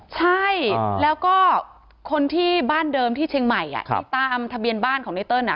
ใช่แล้วก็คนที่บ้านเดิมที่เชียงใหม่ที่ตามทะเบียนบ้านของไนเติ้ล